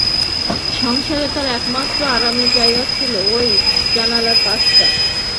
সংসারে তার একমাত্র আরামের জায়গা ছিল ঐ জানালার কাছটা।